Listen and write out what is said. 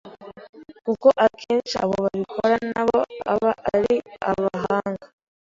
kuko akenshi abo babikora nabo aba ari abahanga